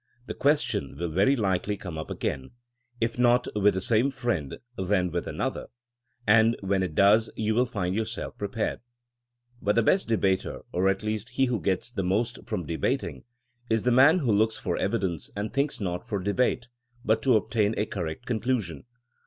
The question will very likely come up again; if not with the same friend, then with another, and when it does you will find yourself prepared. But the best debater, or at least he who gets the most from debating, is the man who looks for evidence and thinks not for debate, but to obtain a correct conclusion.